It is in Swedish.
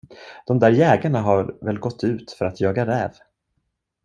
De där jägarna har väl gått ut för att jaga räv.